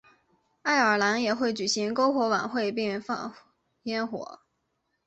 爱尔兰也会举行篝火晚会并放焰火。